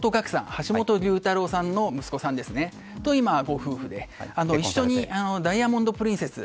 橋本龍太郎さんの息子さんとご夫婦で一緒に「ダイヤモンド・プリンセス」。